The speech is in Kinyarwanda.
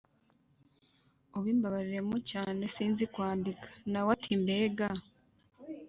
ubimbabariremo cyane sinzi kwandika”. Na we ati: “Mbega